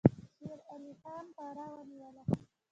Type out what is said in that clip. شیر علي خان فراه ونیوله.